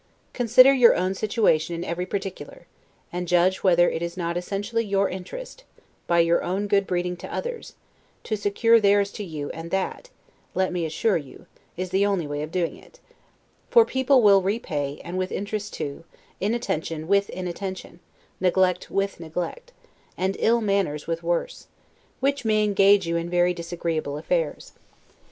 Consider your own situation in every particular, and judge whether it is not essentially your interest, by your own good breeding to others, to secure theirs to you and that, let me assure you, is the only way of doing it; for people will repay, and with interest too, inattention with inattention, neglect with neglect, and ill manners with worse: which may engage you in very disagreeable affairs.